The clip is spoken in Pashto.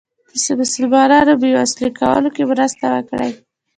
د مسلمانانو بې وسلو کولو کې مرسته وکړي.